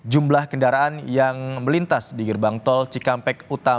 jumlah kendaraan yang melintas di gerbang tol cikampek utama